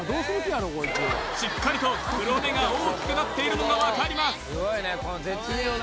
しっかりと黒目が大きくなっているのが分かります